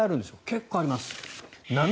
結構あります。